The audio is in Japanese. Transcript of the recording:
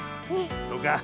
そうか。